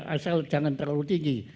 asal jangan terlalu tinggi